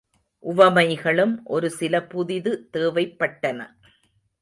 உவமைகளும் ஒரு சில புதிது தேவைப்பட்டன.